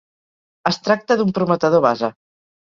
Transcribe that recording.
Es tracta d'un prometedor base.